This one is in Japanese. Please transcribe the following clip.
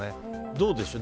どうでしょう。